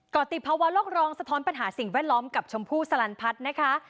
ก็ติดภาวะโลกร้องสะท้อนปัญหาสิ่งแวดล้อมกับชมพู่สลันพัฒน์นะคะ